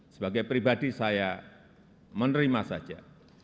sebagai pribadi saya menerima saja